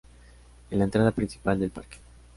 Es la entrada principal del parque.